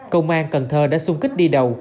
công an cần thơ đã xung kích đi đầu